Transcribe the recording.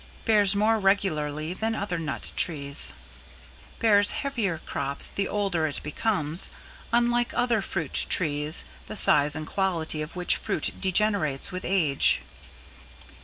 Bears more regularly than other nut trees. Bears heavier crops the older it becomes, unlike other fruit trees the size and quality of whose fruit degenerates with age.